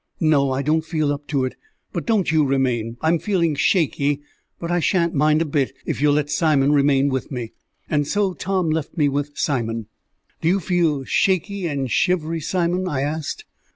"No; I don't feel up to it. But don't you remain. I'm feeling shaky, but I shan't mind a bit if you'll let Simon remain with me." And so Tom left me with Simon. "Do you feel shaky and shivery, Simon?" I asked.